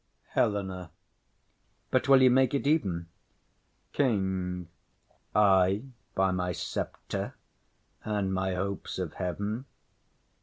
HELENA. But will you make it even? KING. Ay, by my sceptre and my hopes of heaven.